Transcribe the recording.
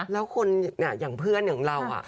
แล้วคนอย่างเพื่อนอย่างเรา